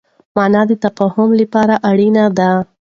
مانا د تفاهم لپاره اړينه ده.